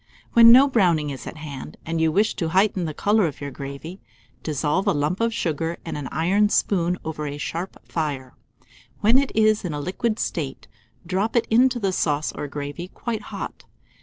When no browning is at hand, and you wish to heighten the colour of your gravy, dissolve a lump of sugar in an iron spoon over a sharp fire; when it is in a liquid state, drop it into the sauce or gravy quite hot.